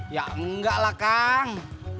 ya nggak lah kang